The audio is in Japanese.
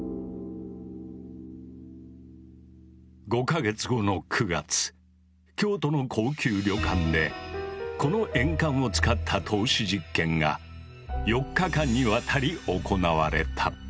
５か月後の９月京都の高級旅館でこの鉛管を使った透視実験が４日間にわたり行われた。